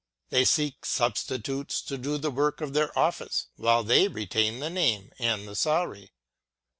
They seek substitutes to do the work of their office, while they retain the name and the salary.